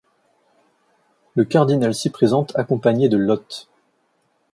Le cardinal s'y présente accompagné de Lotthe.